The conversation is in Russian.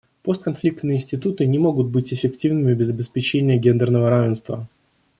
Постконфликтные институты не могут быть эффективными без обеспечения гендерного равенства.